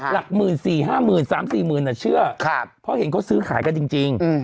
หลักหมื่นสี่ห้าหมื่นสามสี่หมื่นเชื่อเพราะเห็นเขาซื้อขายกันจริง